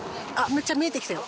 めっちゃ見えてきたよ